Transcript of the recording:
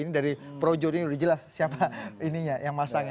ini dari projodin udah jelas siapa ininya yang masangnya